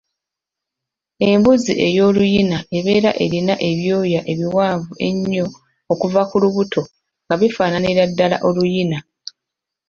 Embuzi ey'oluyina eba erina ebyoya ebiwanvu ennyo okuva ku lubuto nga bifaananira ddala oluyina.